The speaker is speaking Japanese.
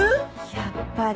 やっぱり。